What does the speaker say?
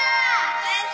先生！